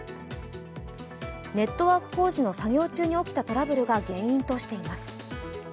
ネットワーク工事中に起きたトラブルが原因としています。